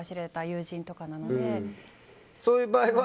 そういう場合は。